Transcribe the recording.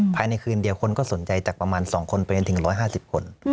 ภายในคืนเดียวคนก็สนใจจากสองคนไปไปถึงร้อยห้าสิบคน